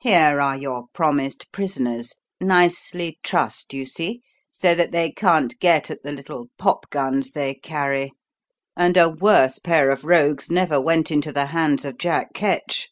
"Here are your promised prisoners nicely trussed, you see, so that they can't get at the little popguns they carry and a worse pair of rogues never went into the hands of Jack Ketch!"